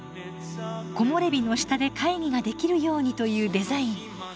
木漏れ日の下で会議ができるようにというデザイン。